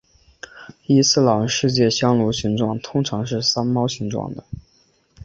伊斯兰世界香炉形状通常是山猫形状的。